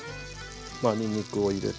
にんにくを入れて。